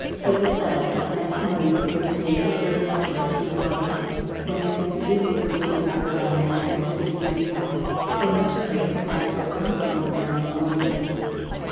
It was settled that the next morning he was to make his way northwards to Hartlepool, whence he could easily proceed either by land or sea to Newcastle, from which place smacks were constantly sailing to London.